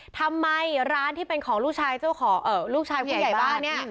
ทำไมร้านที่เป็นของลูกชายผู้ใหญ่บ้าน